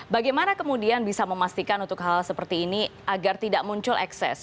bagaimana kemudian bisa memastikan untuk hal seperti ini agar tidak muncul ekses